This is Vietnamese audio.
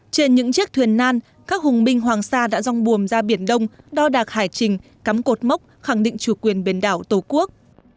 trên những chiếc thuyền nan các hùng binh hoàng sa đã rong buồm ra biển đông đo đạc hải trình cắm cột mốc khẳng định chủ quyền biển đảo tổ quốc